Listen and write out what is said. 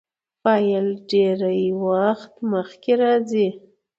فاعل ډېرى وخت مخکي راځي.